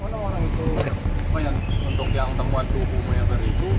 hai orang orang itu untuk yang tempat buku buku